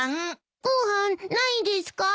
ご飯ないですか？